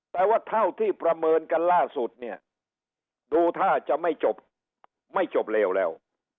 แต่ว่าเท่าที่ประเมินกันล่าสุดเนี่ยดูท่าจะไม่จบไม่จบเลวแล้ว